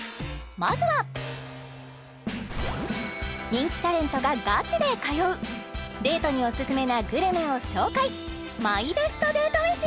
まずは人気タレントがガチで通うデートにおすすめなグルメを紹介！